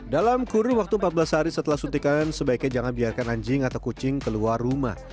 dalam kurun waktu empat belas hari setelah suntikan sebaiknya jangan biarkan anjing atau kucing keluar rumah